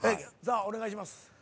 さあお願いします。